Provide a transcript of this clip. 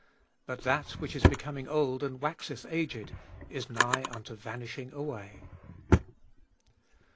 But that which is becoming old and waxeth aged is nigh unto vanishing away.